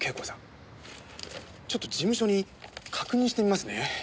ちょっと事務所に確認してみますね。